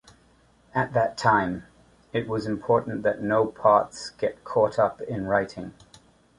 At that time, it was important that no parts get caught up in writing.